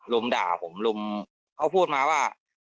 ด่าผมลุมเขาพูดมาว่า